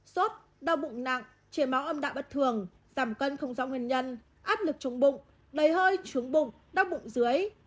sốt đau bụng nặng trẻ máu âm đạm bất thường tạm cân không rõ nguyên nhân áp lực trong bụng đầy hơi trướng bụng đau bụng dưới